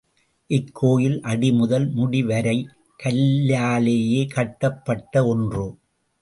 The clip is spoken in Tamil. இக்கோயில் அடி முதல் முடி வரை கல்லாலேயே கட்டப்பட்ட ஒன்று.